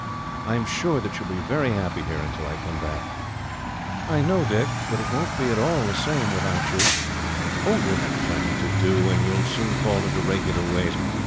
"I am sure that you will be very happy here, until I come back." "I know, Dick; but it won't be at all the same, without you." "Oh, you will have plenty to do, and you will soon fall into regular ways.